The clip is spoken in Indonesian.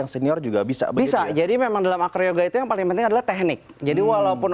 senior juga bisa bisa jadi memang dalam acroyoga itu yang paling penting adalah teknik jadi walaupun